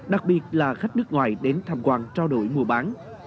đặc biệt là khách nước ngoài đến tham quan trao đổi mua bán